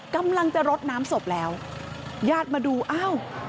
กำลังจะรดน้ำศพแล้วญาติมาดูอ้าว